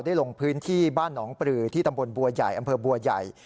ลงพื้นที่บ้านหนองปลือที่ตำบลบัวใหญ่อำเภอบัวใหญ่